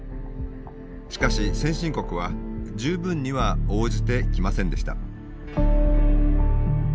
しかし先進国は十分には応じてきませんでした。